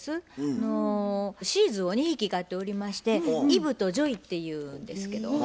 シーズーを２匹飼っておりましてイブとジョイっていうんですけど。